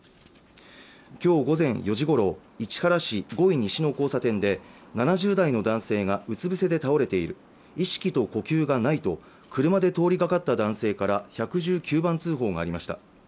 今日午前４時ごろ市原市五井西の交差点で７０代の男性がうつぶせで倒れている意識と呼吸がないと車で通りかかった男性から１１９番通報がありました